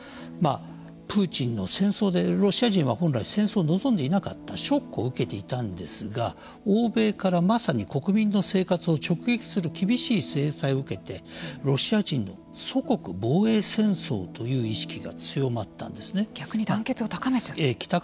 プーチンの戦争でロシア人は本来戦争を望んでいなかったショックを受けていたんですが欧米からまさに国民の生活を直撃する厳しい制裁を受けてロシア人の祖国防衛戦争という意識が逆に団結を高めた？